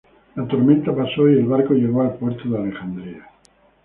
La tormenta pasó y el barco llegó al puerto de Alejandría.